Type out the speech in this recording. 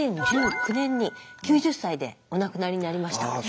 ２０１９年に９０歳でお亡くなりになりました。